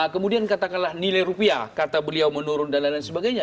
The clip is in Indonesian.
kemudian katakanlah nilai rupiah kata beliau menurun dan lain lain sebagainya